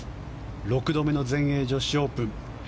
６度目の全英女子オープン。